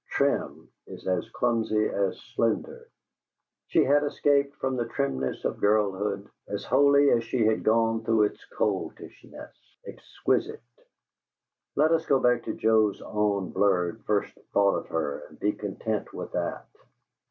"Trim" is as clumsy as "slender"; she had escaped from the trimness of girlhood as wholly as she had gone through its coltishness. "Exquisite." Let us go back to Joe's own blurred first thought of her and be content with that!